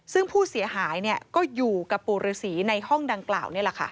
ซึ่งผู้เสียหายก็อยู่กับปู่ฤษีในห้องดังกล่าวนี่แหละค่ะ